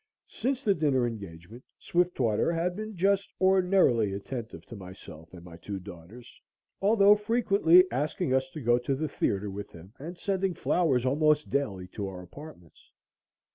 Since the dinner engagement, Swiftwater had been just ordinarily attentive to myself and my two daughters, although frequently asking us to go to the theatre with him and sending flowers almost daily to our apartments.